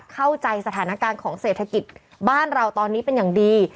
เข้าใจสถานการณ์ของเศรษฐกิจบ้านเราตอนนี้เป็นอย่างดี